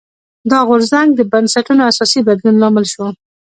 دا غورځنګ د بنسټونو اساسي بدلون لامل شو.